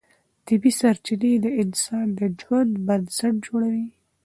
طبیعي سرچینې د انسان د ژوند بنسټ جوړوي